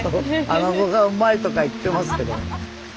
アナゴがうまいとか言ってますけど。